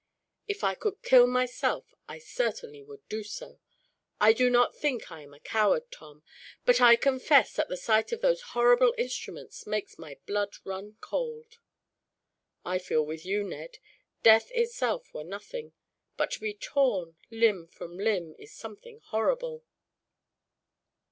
If I could kill myself, I certainly would do so. I do not think I am a coward, Tom, but I confess that the sight of those horrible instruments makes my blood run cold." "I feel with you, Ned. Death itself were nothing; but to be torn, limb from limb, is something horrible."